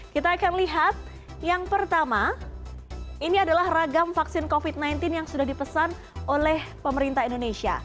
kita akan lihat yang pertama ini adalah ragam vaksin covid sembilan belas yang sudah dipesan oleh pemerintah indonesia